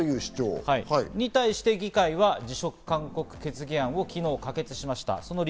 それに対して議会は、昨日、辞職勧告決議案を可決しました。